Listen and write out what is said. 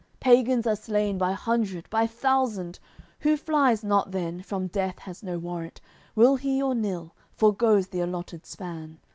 Pagans are slain by hundred, by thousand, Who flies not then, from death has no warrant, Will he or nill, foregoes the allotted span.